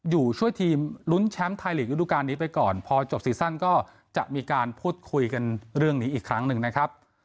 อยู่ช่วยทีมลุ้นแชมป์ไทยลีกระดูกาลนี้ไปก่อนพอจบซีซั่นก็จะมีการพูดคุยกันเรื่องนี้อีกครั้งหนึ่งนะครับ